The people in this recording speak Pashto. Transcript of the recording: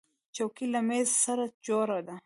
چوکۍ له مېز سره جوړه ده.